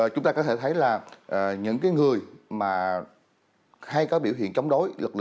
chúng ta có thể thấy là những người mà hay có biểu hiện chống đối